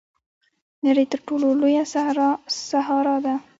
د نړۍ تر ټولو لویه صحرا سهارا ده.